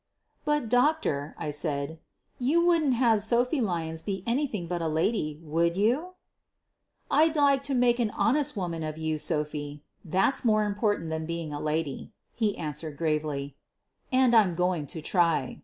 "But, Doctor," I said, "you wouldn't have Sophie Lyons be anything but a lady, would youf " "I'd like to make an honest woman of you, Sophie —that's more important than being a lady," he answered gravely, "and I'm going to try.